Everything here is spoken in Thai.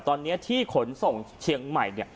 ตอนนี้ที่ขนส่งเชียงใหม่